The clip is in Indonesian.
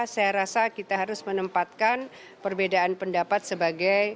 saya rasa kita harus menempatkan perbedaan pendapat sebagai